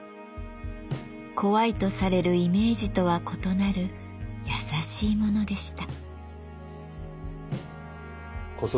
怖いとされるイメージとは異なる優しいものでした。